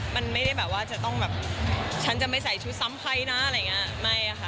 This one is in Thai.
มันไม่ได้แบบว่าจะต้องแบบฉันจะไม่ใส่ชุดซ้ำใครนะอะไรอย่างเงี้ยไม่อะค่ะ